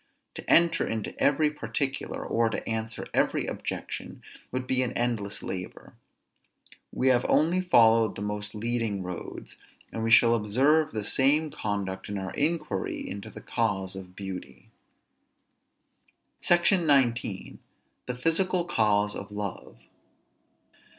To enter into every particular, or to answer every objection, would be an endless labor. We have only followed the most leading roads; and we shall observe the same conduct in our inquiry into the cause of beauty. SECTION XIX. THE PHYSICAL CAUSE OF LOVE.